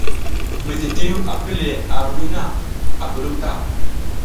Mititiw a pi le ar hiriwiy na, a guɗum ta.